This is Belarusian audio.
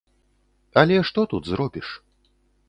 Але што тут зробіш?